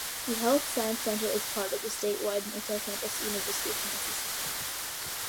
The Health Science Center is part of the statewide, multi-campus University of Tennessee system.